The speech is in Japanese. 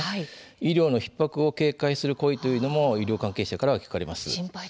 医療のひっ迫を警戒する声というのも医療関係者からは聞かれます。